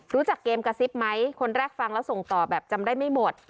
รู้จักเกมกระซิบไหมคนแรกฟังแล้วส่งต่อแบบจำได้ไม่หมด